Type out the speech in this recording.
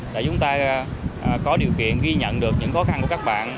để chúng ta có điều kiện ghi nhận được những khó khăn của các bạn